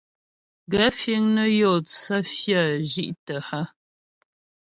Gaə̂ fíŋ nə́ yó tsə́ fyə́ zhí'tə́ hə́ ?